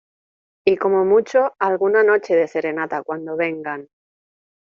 y como mucho, alguna noche de serenata cuando vengan